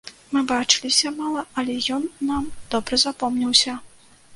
Мы бачыліся мала, але ён нам добра запомніўся.